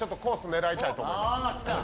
狙いたいと思います。